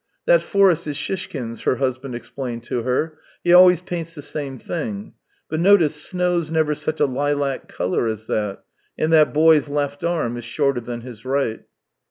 " That forest is Shishkin's," her husband explained to her. " He always paints the same thing. ... But notice snow's never such a lilac colour as that. ,.. And that boy's left arm is shorter than his right."